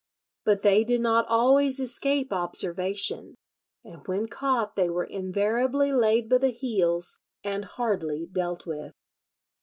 But they did not always escape observation, and when caught they were invariably laid by the heels and hardly dealt with.